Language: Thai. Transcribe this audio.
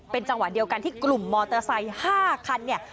จังหวะเดียวกันที่กลุ่มมอเตอร์ไซค์๕คันเนี่ย